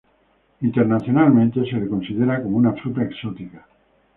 Internacionalmente se le considera como una fruta exótica.